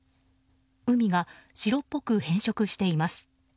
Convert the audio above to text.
海が白っぽく変色しています。